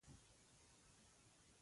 یو به یې وړې.